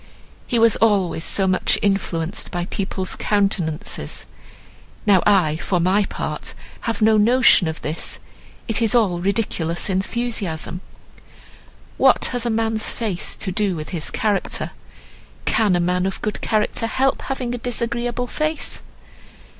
He was always so much influenced by people's countenances; now I, for my part, have no notion of this, it is all ridiculous enthusiasm. What has a man's face to do with his character? Can a man of good character help having a disagreeable face?"